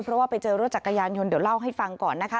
เพราะว่าไปเจอรถจักรยานยนต์เดี๋ยวเล่าให้ฟังก่อนนะคะ